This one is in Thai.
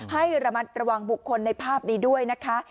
ให้ระมัดระวังบุคคลในภาพนี้ด้วยนะคะ